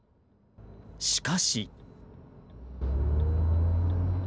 しかし。